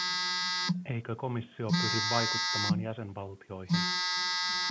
Eikö komissio pyri vaikuttamaan jäsenvaltioihin?